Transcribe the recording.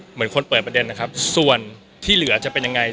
เหมือนคนเปิดประเด็นนะครับส่วนที่เหลือจะเป็นยังไง